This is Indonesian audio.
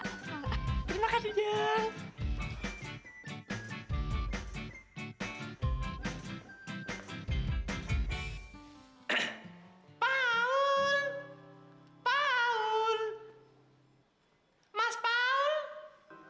terima kasih jeng